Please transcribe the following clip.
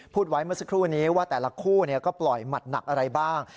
ไว้เมื่อสักครู่นี้ว่าแต่ละคู่ก็ปล่อยหมัดหนักอะไรบ้าง